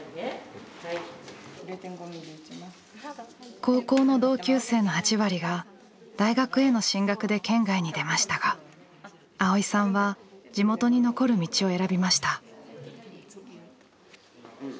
高校の同級生の８割が大学への進学で県外に出ましたが蒼依さんは地元に残る道を選びました。